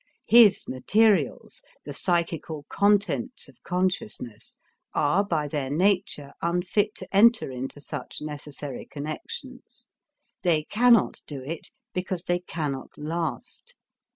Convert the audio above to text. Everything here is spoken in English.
His materials, the psychical contents of consciousness, are by their nature unfit to enter into such necessary connections; they cannot do it because they cannot last.